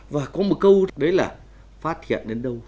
và có một câu đấy là phát hiện đến đâu